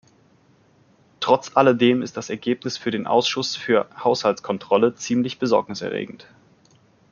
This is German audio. Trotz alledem ist das Ergebnis für den Ausschuss für Haushaltskontrolle ziemlich besorgniserregend.